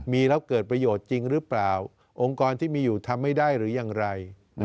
มีแล้วเกิดประโยชน์จริงหรือเปล่าองค์กรที่มีอยู่ทำไม่ได้หรือยังไร